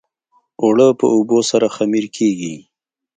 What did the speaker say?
اوړه په اوبو سره خمیر کېږي